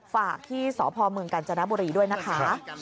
ฝากที่สพเมืองกาญจนบุรีด้วยนะคะ